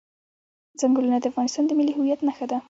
چنګلونه د افغانستان د ملي هویت نښه ده.